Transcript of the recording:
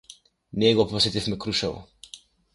Ние го посетивме Крушево.